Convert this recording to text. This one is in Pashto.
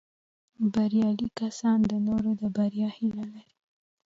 بریالي کسان د نورو د بریا هیله لري